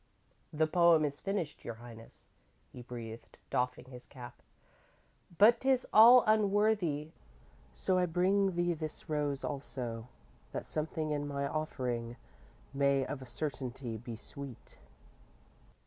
_ _"The poem is finished, your highness," he breathed, doffing his cap, "but 'tis all unworthy, so I bring thee this rose also, that something in my offering may of a certainty be sweet."